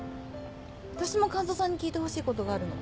わたしも完三さんに聞いてほしいことがあるの。